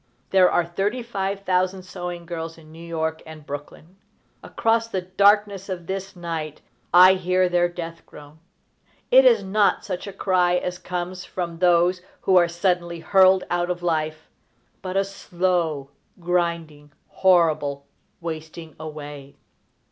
_ There are thirty five thousand sewing girls in New York and Brooklyn. Across the darkness of this night I hear their death groan. It is not such a cry as comes from those who are suddenly hurled out of life, but a slow, grinding, horrible wasting away.